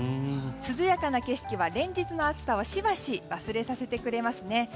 涼やかな景色は連日の暑さをしばし忘れさせてくれますね。